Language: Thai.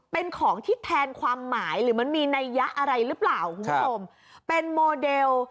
เป็นของที่แทนความหมายหรือมันมีนัยอะไรรึเปล่าคุณผู้ชม